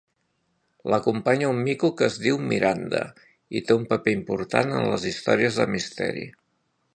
L'acompanya un mico que es diu Miranda i té un paper important en les històries de misteri.